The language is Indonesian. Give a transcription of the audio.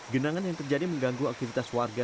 genangan yang terjadi mengganggu aktivitas warga